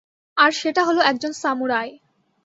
আর সেটা হল একজন সামুরাই।